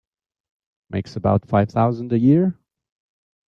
Makes about five thousand a year.